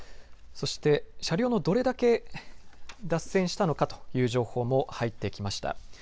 そして車両のどれだけ脱線したのかという情報も入ってきました。